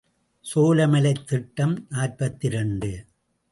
சோலைமலைத் திட்டம் நாற்பத்திரண்டு.